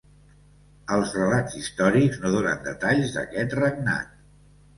Els relats històrics no donen detalls d'aquest regnat.